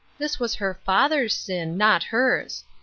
This was her father's sin, not hers.